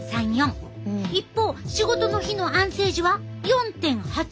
一方仕事の日の安静時は４．８５。